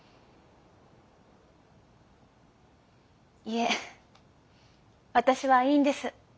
いえ私はいいんです。